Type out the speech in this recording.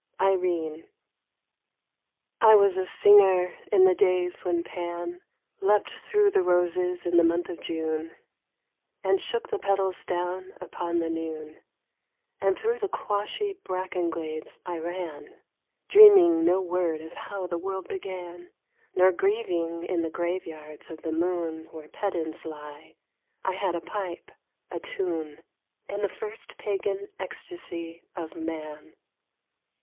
64 IRENE I WAS a singer in the days when Pan Leapt through the roses in the month of June, And shook the petals down upon the noon ; And through the quashy bracken glades I ran, Dreaming no word of how the world began, Nor grieving in the graveyards of the moon Where pedants lie I had a pipe, a tune, And the first pagan ecstasy of man.